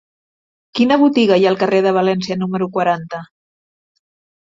Quina botiga hi ha al carrer de València número quaranta?